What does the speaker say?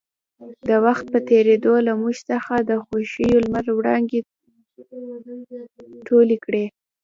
د وخـت پـه تېـرېدو لـه مـوږ څـخـه د خـوښـيو لمـر وړانـګې تـولې کـړې.